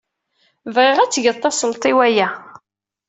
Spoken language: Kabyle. Bɣiɣ ad tgeḍ tasleṭ i waya.